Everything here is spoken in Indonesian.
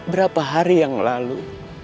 berapa hari yang lalu